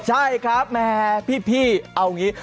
ใช่ครับแม่พี่เอางี้